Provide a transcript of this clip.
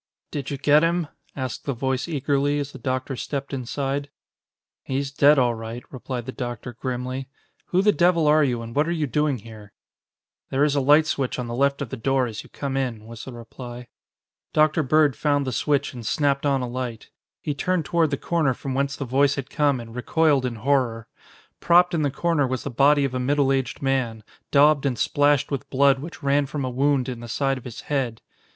"Did you get him?" asked the voice eagerly, as the doctor stepped inside. "He's dead all right," replied the doctor grimly. "Who the devil are you, and what are you doing here?" "There is a light switch on the left of the door as you come in," was the reply. Dr. Bird found the switch and snapped on a light. He turned toward the corner from whence the voice had come and recoiled in horror. Propped in the corner was the body of a middle aged man, daubed and splashed with blood which ran from a wound in the side of his head.